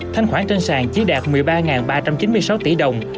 thanh khoản trên sàn chỉ đạt một mươi ba ba trăm chín mươi sáu tỷ đồng